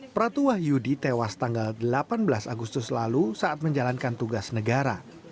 pratu wahyudi tewas tanggal delapan belas agustus lalu saat menjalankan tugas negara